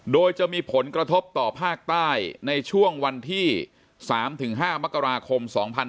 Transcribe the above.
โดยจะมีผลกระทบต่อภาคใต้ในช่วงวันที่๓๕มกราคม๒๕๖๒